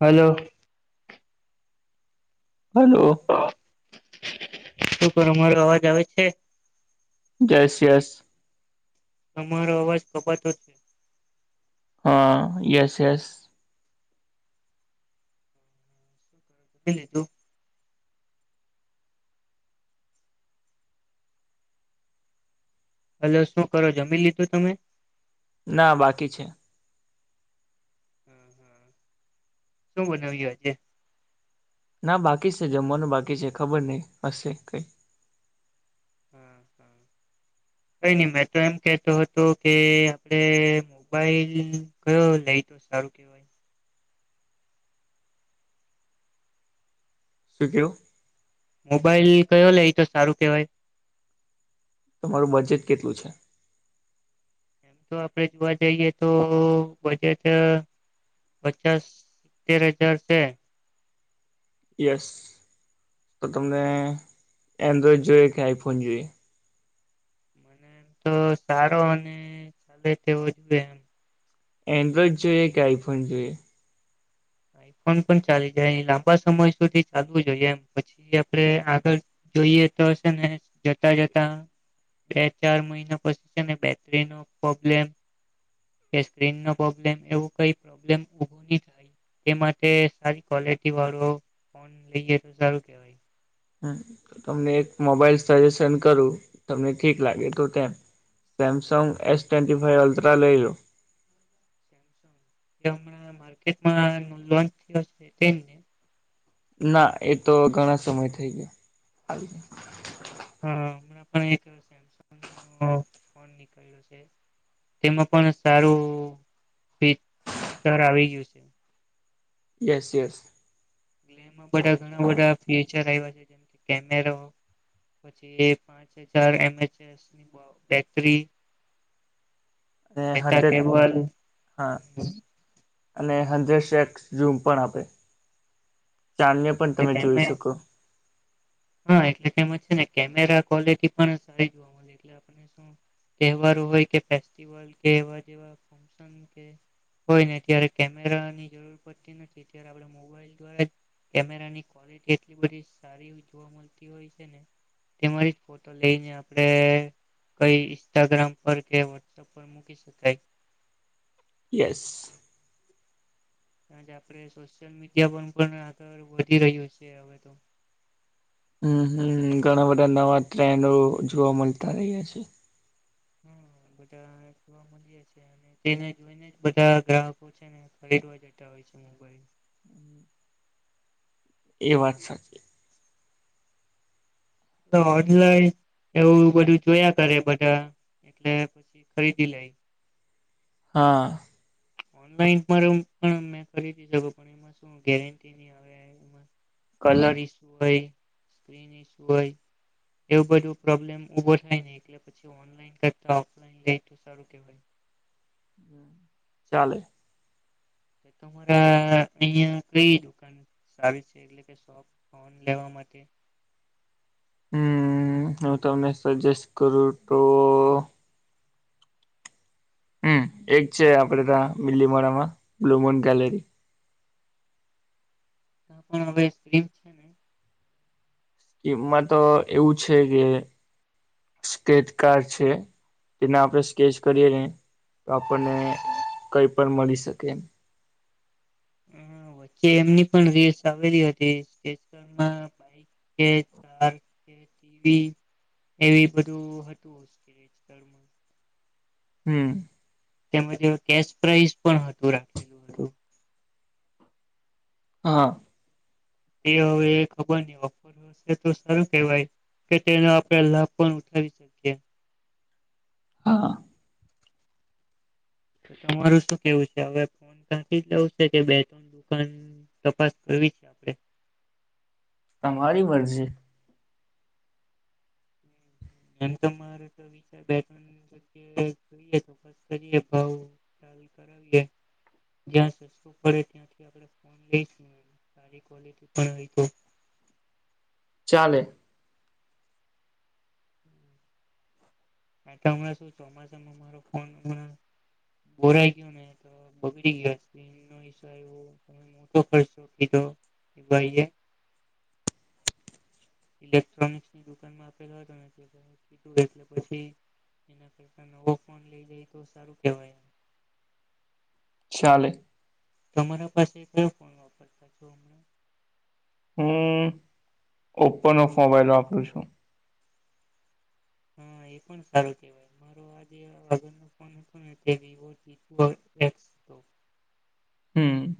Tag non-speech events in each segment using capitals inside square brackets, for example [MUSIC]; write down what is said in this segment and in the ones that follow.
Hello hello શું કરો મારો અવાજ આવે છે. યસ યસ તમારો અવાજ કપાતો છે. હા યસ યસ લીજું ભલો શું કરો જમી લીધું તમે ના બાકી છે શું બનાવી્યું આજે ના બાકી છે જમવાનું બાકી છે ખબર નહીં હશે કઈ હા હા કઈ નહી મેં તો એમ કેતો હતો કે આપે મોબાઈલ કયો લઈ તો સારું કેવા શું થયું મોબાઈલ કયો લે એ તો સારું કેવાય તમારું બજેટ કેટલું છે એમ તો આપડે જોવા જઈએ તો બજેટ પચાસ સિત્તેર હજાર છે યસ તો તમને એન્ડ્રોઈડ જોઈએ કે આઈફોન જોઈએ મને એમ તો સારો અને તેવો જોએ એ એન્ડ્રોઈડ જોઈએ કે આઈફોન જોઈએ આઈફોન પણ ચાલી જાય લાંબા સમય સુધી ચાલવું જોઈએ એમ પછી આપે આગળ જોઈએ તો હશે ને જતા જતા. બે ચાર મહિના પછી છે ને બેટરી નો પ્રોબ્લેમ કે સ્ક્રીન ન પ્રોબ્લેમ એવું કઈ પ્રોબ્લેમ ઉભું ની થાય તે માટે સારી ક્વલિટી વાળો ફોન લઈએે તો સારું કેવા હ તમને એક મોબાઈલ સજેશન કરું તમને ઠીક લાગે તો તેમ Samsung S twenty five Ultra લઈ લો સેમસંગ હમણાં માર્કેટમાં લોન્ચ થયો તે ના એ તો ઘણા સમય થઈ ગયા હા હમણાં પણ એક સેમસંગ નો ફોન નીકળ્યો છે, તેમાં પણ સારું ભીતર આવી ગયું છે. Yes yes. બધા ઘણા બધા ફીચર આવ્યા છે, જેમ કેમેર પછી પાંચ હજાર એમ ચસની બેટરી અને ડેટા હંડ્રેડ કેબલ હમ હા અને હડરેડ શેકસ ઝુમ પણ આપે ચાદ ને પણ એટલે તમે કેમે જોઈ શકો હા એટલે તેમાં છે, ને કેમેરા ક્વોલિટી પણ સારી જો તહેવારો હોય કે ફેસ્ટિવલ કે એવા જેવા હોય ને ત્યારે કેમેરાની જરૂર પડતી નથી તયારે આપડ મોબાઈલ દ્વારા કેમેરાની ક્વોલિટી એટલી બધી સારી જોવા મળતી હોય છે, ને તેમાંથી ફોટો લઈને આપડે કઈ ઇન્સ્ટાગ્રામ પર કે વોટ્સઅપ પણ મૂકી શકાય યસ. જ આપડે સોશિયલ મીડિયા પર પણ આગળ વધી રહ્યો છે, હવે તો હમ હમ ઘણા બધા નવા ટ્રેન્ડો જોવા મલતા રહ્યા છે. હમ બધા મલીએ છે, ને તેને જોઈને જ બધા ગ્રાહકો છે, ને ખરીદવા જતા હોય છે, મોબાઈલ એ વાત સાચી ઓનલાઈન એવું બધું જોયા કરે બધા એટલે પછી ખરીદી લઈ હા. ઓનલાઈન મા પણ અમે ખરીદી શકો પણ એમાં શું ગેરટી ની આવે કલર ઈ કઈ હોય એવું બધું પ્રોબ્લેમ ઉભો થાય ને એટલે પ ઓનલાઈન કરતા ઓફલાઈન સારું કેવાય ચાલે. તમારા અહિયાં કઈ દુકાન સારી છે, એટલે કે ફોન લેવા માટે હમ હું તમને સજેસ્ટ કરું તો હમ એક છે, આપડે તા બીલીમોડામાં બ્લુમોન ગેલેરી [INAUDIBLE] એમાં તો એવું છે, કે [UNINTELLIGIBLE] છે. તેને આપણે સ્કેચ કરીએ ને તો આપણને કઈ પણ મળી શકે કે એમની પણ રીલ્સ આવેલી હતી [UNINTELLIGIBLE] એવી બધું હતું [INAUDIBLE] હમ. તેમજ કેશ પ્રાઈસ પણ હતું રા [INAUDIBLE] હ. એ હવે ખબર ની વ તો સારું કેવાય કે તેના પેલા પણ ઉઠાવી શકીએ હા તમારું શું કેવું છે? હવે ફોન તાથી જ લેવુ છે, કે બે તણ દુકાન તપાસ કરવી આપડે તમારી મરજી. એમ તમારે તો વિ [INAUDIBLE] ચોક્કસ કરીએ ભાવ [INAUDIBLE] [INAUDIBLE] પણ હોય છે. ચાલે. કારણકે હમણાં શું ચોમાસ મારો ફોન બોડાઈ ગ્યો ને તો બગડી ગયો [INAUDIBLE] [INAUDIBLE] ભાઈએ. [INAUDIBLE] કરતા નવો ફોન લઈ જાય તો સારું કેવાય. ચાલે. તમારા પાસે કોય [INAUDIBLE] હું ઓપો નો મોબાઈલ વાપરું છું. હા એ પણ સારું કેવાય. [INAUDIBLE] હમ્મ.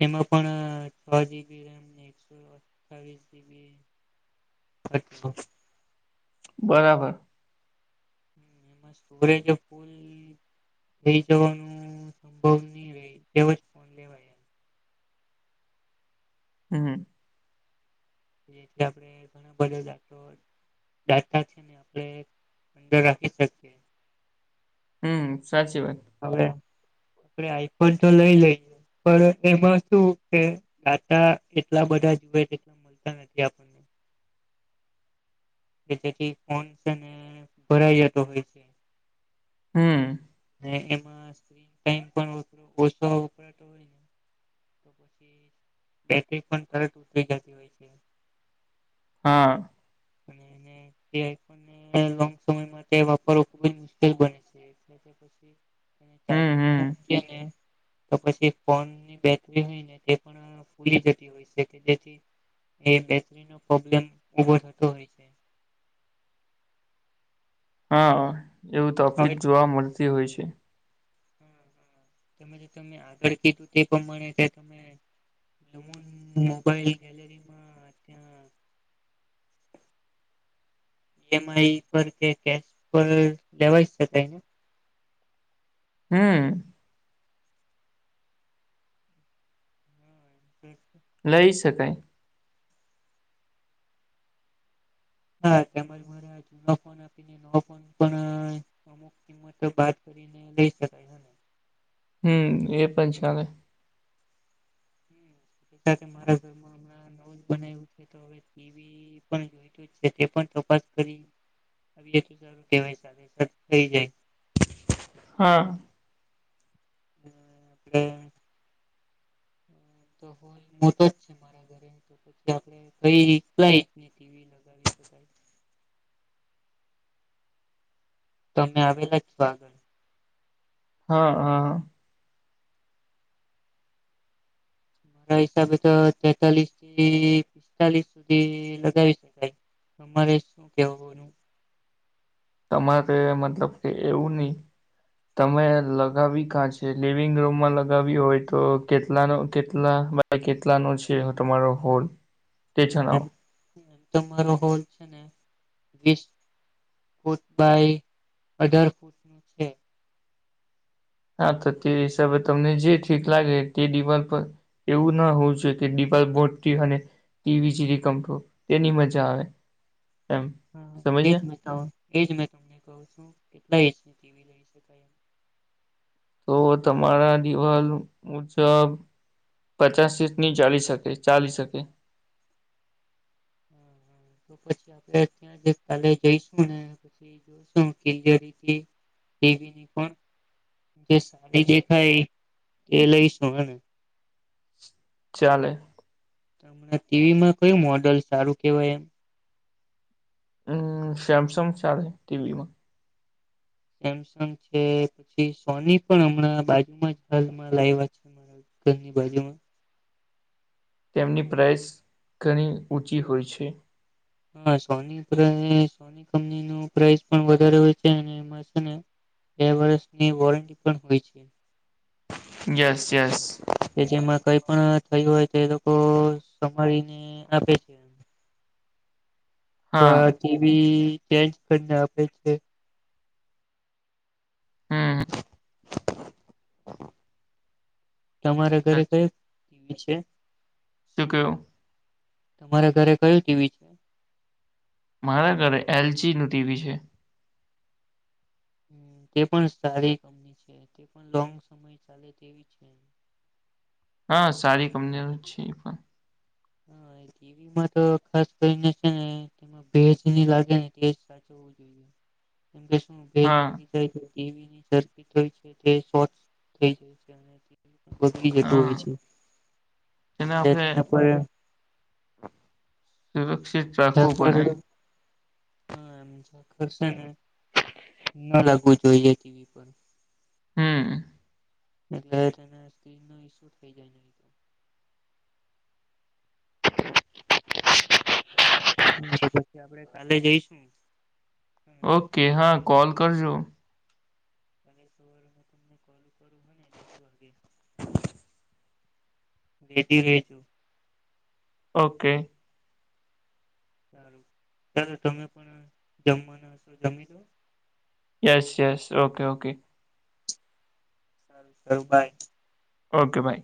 તેમાં પણ [INAUDIBLE] [UNINTELLIGIBLE] બરાબર. [INAUDIBLE] [INAUDIBLE] લેવાય એમ. હમ્મ. [INAUDIBLE] [INAUDIBLE] અંદર રાખી શકીએ. હમ્મ, સાચી વાત. હવે આપડે આઈફોન તો લઈ લઈ પણ એમાં શું કે દાતા એટલા બધા જુએ ને [INAUDIBLE] કે જેથી ફોન છે ને ભરાઈ જતો હોય છે. હમ્મ. [INAUDIBLE] [INAUDIBLE] બેટરી પણ તરત ઉતરી જતી હોય છે. હા. અને એને આઈફોન લોંગ સમય માટે વાપરવો ખુબ જ મુશ્કેલ બને. [INAUDIBLE] હમ હમ મૂકીએ ને. તો પછી ફોનની બેટરી હોય ને તે પણ ફૂલી જતી હોય છે કે જેથી એ બેટરી નો પ્રોબ્લેમ ઉભો થતો હોય છે. હા, એવું હવે તકલીફ જોવા મળતી હોય છે. તમે જે તમે આગળ કીધું તે પ્રમાણે [INAUDIBLE] લુમોન મોબાઈલ ગેલેરી પણ ઈ એમ આઈ પર કે કેશ પર લેવાય શકાય ને? હમ્મ. લઈ શકાય. હા [INAUDIBLE] કિંમતો બાદ કરીને લઈ શકાય. હેને? હમ્મ, એ પણ છે હવે. [INAUDIBLE] એવી પણ જોઈતું છે તે પણ તપાસ કરી. [INAUDIBLE] થઈ જાય. હા હમ હુ તો ભઈ ગઈ ની ટીવી લગાવી શકાય. તો અમે આવેલા જ સ્ આગળ હા હા મારા હિસાબે તો તેતાલીસ થી પિસ્તાલીસ સુધી લગાવી શકાય અરે શું કેવા તમારે મતલબ કે એવું નહી તમે લગાવી કાં છે લિવિંગ રૂમમાં લગાવી હોય તો કેટલા ન કેટલા હ કેટલાનો છે તમારો હોલ [INAUDIBLE] તે જણાવો. તમારો હોલ છે ને વીસ ફૂટ બાય અઢાર ફૂટ હમ હા તો તે હિસાબે તમને જે ઠીક લાગે તે દિવાલ પર એવું ના હોવું જો કે દપ બોટથી અને ટીવી જે ર કમપુ તેની મજા આવે એમ હા એજ સમજ્યા એજ મે તમને કહ છું કેટલા એજની ટીવી લઈ શકાય એમ તો તમારા દિવાલ મુજબ પચાસ સીટ ની ચાલી શકે ચાલી શકે હમ હમ તો પછી આપડે ત્યાં જ કાલે જઈશું ને જોવી પણ જે સાડી દેખાય એ લઈશું ને ચાલે. મણા ટીવીમાં કયું મોડલ સારું કેવાય એમ હમ સેમસંગ ચાલે ટીવીમાં સેમસંગ છે પછી સોની પણ હમણાં બાજુમાં જ હાલમાં લાઈવા છે. ઘરની બાજુ માં તેમની પ્રાઇસ ઘણી ઊંચી હોય છે હા સોની સોની કંપની ન પ્રઇસ પણ વધારે હોય છે અને એમાં છે ને બે વર્ષની વોરંટી પણ હોય છે યસ યસ કે જેમાં કઈ પણ થયું હોય તો એ લોકો સમાળીને આપે છે. તો આ હા ટીવી ચેન્જ કરીને આપડે છે. હા. તમારા ઘરે કઈ છે શક્યો તમારે ઘરે કયું ટીવી છે મારા ઘરે એલજી નું ટીવી છે તે પણ સારી કંપની છે તે પણ લોંગ સમય ચાલે તેવી છે હા સારી કંપનીઓ છે એ પણ હા ટીવીમાં તો ખાસ કરીને છે ને તે ભેજ લાગે ને તે સાચું એમકે શું ભેજ હા લાગી ટ હોય તેાય છે [UNINTELLIGIBLE] બગડી જતું હા હોય છે એને એટલે આપણે તેના પર સુરક્ષિત રાખવું પડે જ [UNINTELLIGIBLE] હા એમ કરશે ને ન લાગવું જોઈએ ટીવી પર હમ. એટલે છેને [UNINTELLIGIBLE] હા પછી આપણેે કાલે જઈશું. હમ ઓકે હા કોલ કરજો. કાલે સવારે મેં તમને કોલ કરું હો ને દસ વાગે. રેટી રેજો. ઓકે. સારું ચાલો તમે પણ જમવાના હશો જમી લો. Yes, yes, okay, okay. [UNINTELLIGIBLE] By okay by.